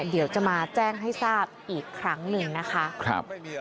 เดี๋ยวจะมาแจ้งให้ทราบอีกครั้งหนึ่งนะคะ